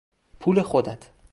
پول خودت